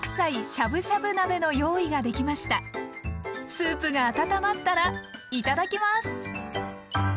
スープが温まったらいただきます！